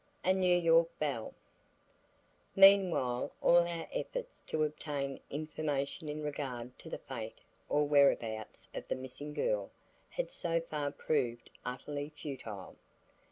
A NEW YORK BELLE Meanwhile all our efforts to obtain information in regard to the fate or whereabouts of the missing girl, had so far proved utterly futile.